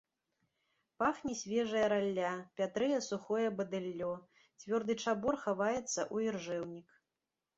Пахне свежая ралля, пятрэе сухое бадыллё, цвёрды чабор хаваецца ў іржэўнік.